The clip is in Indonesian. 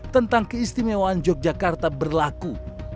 tentang keistimewaan yogyakarta berlaku